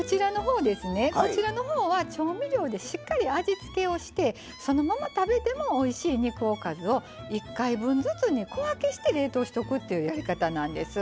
こちらのほうは調味料でしっかり味付けをしてそのまま食べてもおいしい肉おかずを１回分ずつに小分けして冷凍してっていうやりかたなんです。